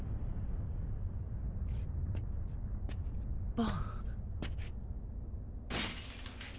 バン。